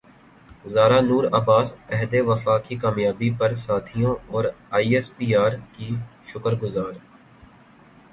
زارا نور عباس عہد وفا کی کامیابی پر ساتھیوں اور ائی ایس پی ار کی شکر گزار